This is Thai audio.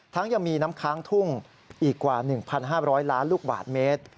ยังมีน้ำค้างทุ่งอีกกว่า๑๕๐๐ล้านลูกบาทเมตร